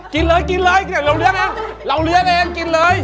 กินเลยกินเลยเราเลี้ยงเองเราเลี้ยงเองกินเลย